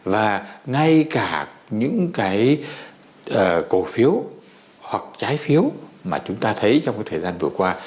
và ngay cả những cái cổ phiếu hoặc trái phiếu mà chúng ta thấy trong cái thời gian vừa qua